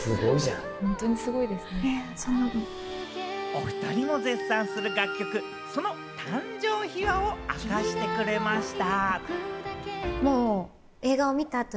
おふたりも絶賛する楽曲、その誕生秘話を明かしてくれました。